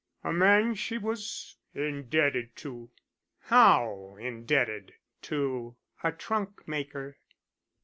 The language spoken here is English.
A man she was indebted to." "How indebted to a trunk maker?"